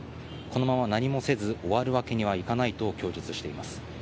このまま何もせず終わるわけにはいかないと供述しています。